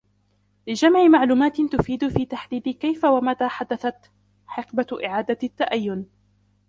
لجمع معلومات تفيد في تحديد كيف ومتى حدثت حقبة إعادة التأيّن